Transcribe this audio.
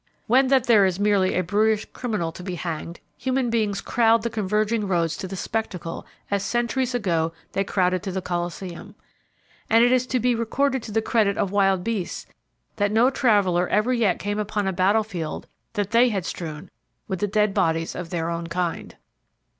When that there is merely a brutish criminal to be hanged, human beings crowd the converging roads to the spectacle as centuries ago they crowded to the Colosseum. And it is to be recorded to the credit of wild beasts that no traveler ever yet came upon a battlefield that they had strewn with the dead bodies of their own kind.